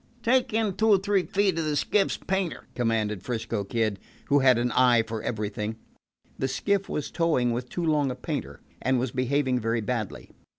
"Take in two or three feet on the skiff's painter," commanded 'Frisco Kid, who had an eye for everything. The skiff was towing with too long a painter, and was behaving very badly.